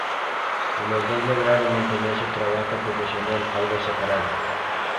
Los dos lograron mantener su trabajo profesional algo separado.